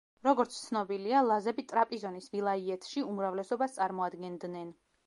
როგორც ცნობილია, ლაზები ტრაპიზონის ვილაიეთში უმრავლესობას წარმოადგენდნენ.